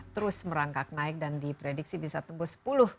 terus merangkak naik dan diprediksi bisa tembus